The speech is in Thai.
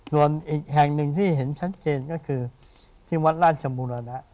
ส่วนอีกแห่งหนึ่งที่เห็นชัดเจนก็คือที่วัดราชบุรณะ